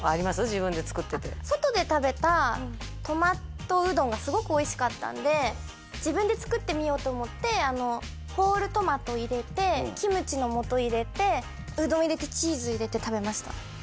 自分で作ってて外で食べたトマトうどんがすごくおいしかったんで自分で作ってみようと思ってホールトマト入れてキムチのもと入れてうどん入れてチーズ入れて食べました